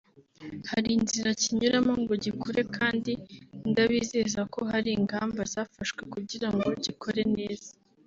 Hari inzira kinyuramo ngo gikure kandi ndabizeza ko hari ingamba zafashwe kugira ngo gikore neza